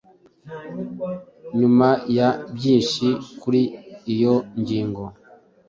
Nyuma ya byinshi kuri iyo ngingo,